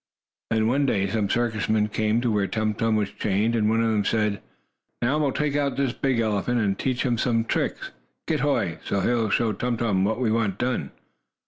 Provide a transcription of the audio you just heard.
Then, one day, some circus men came to where Tum Tum was chained, and one of them said: "Now, we'll take out this big elephant, and teach him some tricks. Get Hoy, so he'll show Tum Tum what we want done."